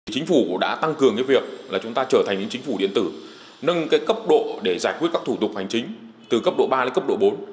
chính phủ đã tăng cường việc chúng ta trở thành những chính phủ điện tử nâng cấp độ để giải quyết các thủ tục hành chính từ cấp độ ba đến cấp độ bốn